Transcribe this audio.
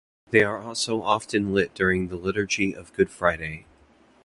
They are also often lit during the liturgy of Good Friday.